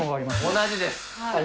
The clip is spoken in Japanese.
同じです。